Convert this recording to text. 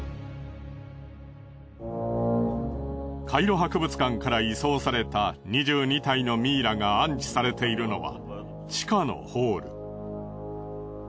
カイロ博物館から移送された２２体のミイラが安置されているのは地下のホール。